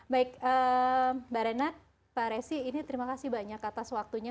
baik mbak renat pak resi ini terima kasih banyak atas waktunya